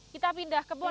kita pindah kebun